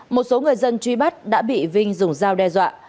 một số người dân truy bắt đã bị vinh dùng dao đe dọa